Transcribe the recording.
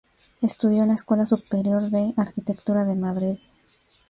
Estudió en la Escuela Superior de Arquitectura de Madrid.